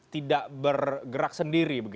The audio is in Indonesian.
tidak bergerak sendiri